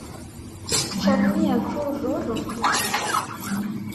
Ĉar mia kruro rompiĝis.